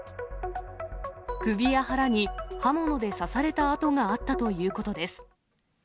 首や腹に刃物で刺された痕があったということです。